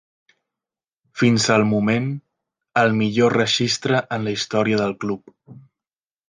Fins al moment, el millor registre en la història del club.